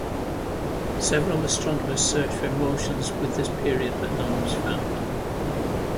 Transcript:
Several astronomers searched for motions with this period, but none was found.